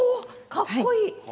かっこいい。